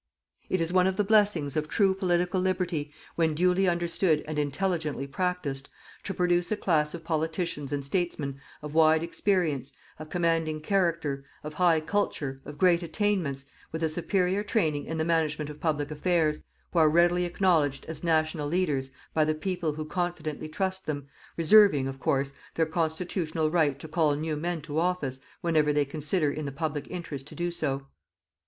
It is one of the blessings of true Political Liberty, when duly understood and intelligently practised, to produce a class of politicians and statesmen of wide experience, of commanding character, of high culture, of great attainments, with a superior training in the management of public affairs, who are readily acknowledged as national leaders by the people who confidently trust them, reserving, of course, their constitutional right to call new men to office whenever they consider in the public interest to do so.